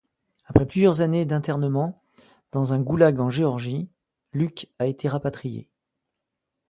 Après plusieurs années d'internement dans un goulag en Géorgie, Luck a été rapatrié.